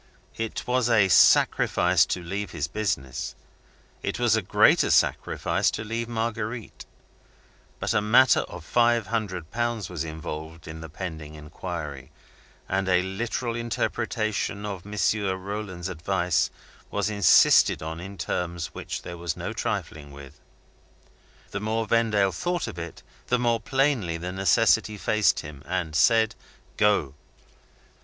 It was a sacrifice to leave his business; it was a greater sacrifice to leave Marguerite. But a matter of five hundred pounds was involved in the pending inquiry; and a literal interpretation of M. Rolland's advice was insisted on in terms which there was no trifling with. The more Vendale thought of it, the more plainly the necessity faced him, and said, "Go!"